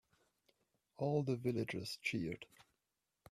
All the villagers cheered.